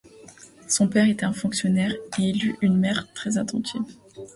Son père était un fonctionnaire et il eut une mère très attentive.